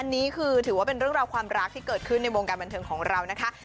อันนี้คือถือว่าเป็นเรื่องราวความรักที่เกิดขึ้นในวงการบันเทิงของเรานะคะ